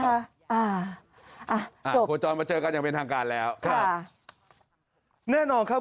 อ่าจบคุณผู้ชมมาเจอกันยังเป็นทางการแล้วค่ะค่ะแน่นอนครับ